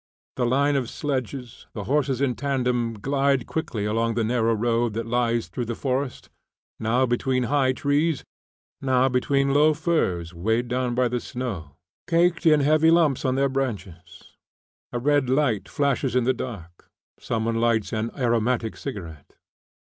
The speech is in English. The line of sledges, the horses in tandem, glide quickly along the narrow road that lies through the forest, now between high trees, now between low firs weighed down by the snow, caked in heavy lumps on their branches. A red light flashes in the dark, some one lights an aromatic cigarette.